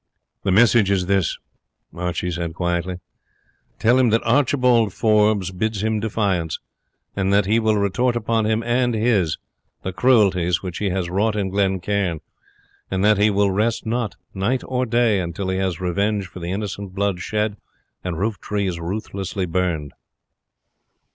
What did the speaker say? "The message is this," Archie said quietly: "tell him that Archibald Forbes bids him defiance, and that he will retort upon him and his the cruelties which he has wrought in Glen Cairn, and that he will rest not night nor day until he has revenge for the innocent blood shed and rooftrees ruthlessly burned."